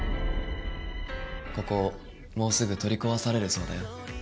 ここもうすぐ取り壊されるそうだよ。